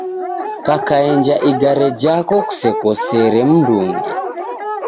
Kakaenja igare jako kusekosere mndungi.